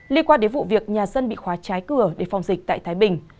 liên quan đến vụ việc nhà dân bị khóa trái cửa để phòng dịch tại thái bình